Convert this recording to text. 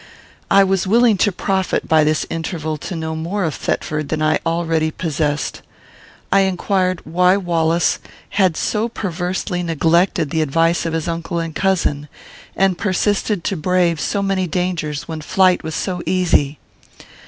I was willing to profit by this interval to know more of Thetford than I already possessed. I inquired why Wallace had so perversely neglected the advice of his uncle and cousin, and persisted to brave so many dangers when flight was so easy.